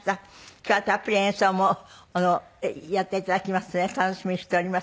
今日はたっぷり演奏もやって頂きますので楽しみにしております。